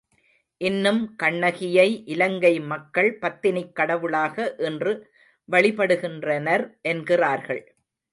இன்னும் கண்ணகியை இலங்கை மக்கள் பத்தினிக் கடவுளாக இன்று வழிபடுகின்றனர் என்கிறார்கள்.